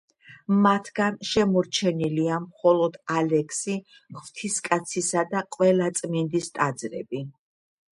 მათგან შემორჩენილია მხოლოდ ალექსი ღვთისკაცისა და ყველაწმინდის ტაძრები.